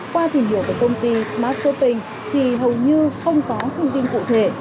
qua thỉnh biểu của công ty smart shopping thì hầu như không có thông tin cụ thể